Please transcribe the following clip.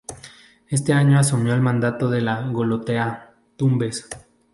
En este año asumió el mando de la goleta "Tumbes".